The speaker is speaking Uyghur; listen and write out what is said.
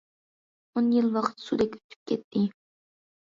ئون يىل ۋاقىت سۇدەك ئۆتۈپ كەتتى.